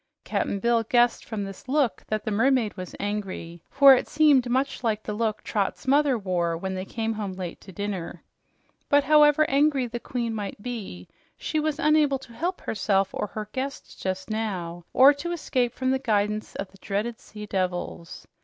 Cap'n Bill guessed from this look that the mermaid was angry, for it seemed much like the look Trot's mother wore when they came home late to dinner. But however angry the queen might be, she was unable to help herself or her guests just now or to escape from the guidance of the dreaded sea devils.